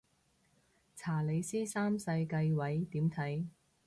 查理斯三世繼位點睇